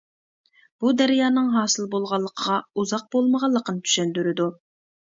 بۇ دەريانىڭ ھاسىل بولغانلىقىغا ئۇزاق بولمىغانلىقىنى چۈشەندۈرىدۇ.